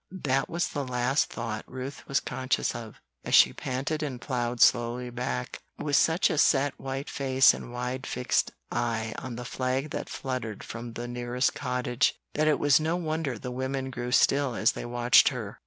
That was the last thought Ruth was conscious of, as she panted and ploughed slowly back, with such a set white face and wide eyes fixed on the flag that fluttered from the nearest cottage, that it was no wonder the women grew still as they watched her.